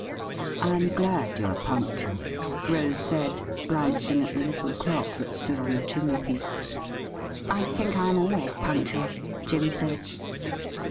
' I am glad you are punctual,' Rose said, glancing at the little clock that stood on the chimney piece. ' I think I am always punctual,' Jim said.